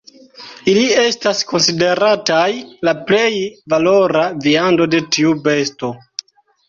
Ili estas konsiderataj la plej valora viando de tiu besto.